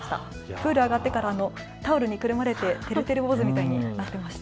プール上がってから、タオルにくるまれて、てるてる坊主みたいになっていました。